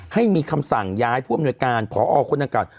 ให้มีคำสั่งย้ายผู้อำนวยการพอคนดังเก่า